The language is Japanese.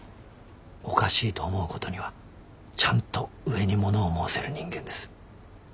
おかしいと思うことにはちゃんと上に物を申せる人間です。